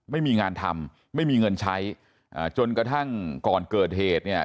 ไม่มีงานทำไม่มีเงินใช้อ่าจนกระทั่งก่อนเกิดเหตุเนี่ย